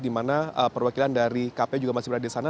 dimana perwakilan dari kpu juga masih berada di sana